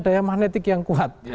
daya magnetik yang kuat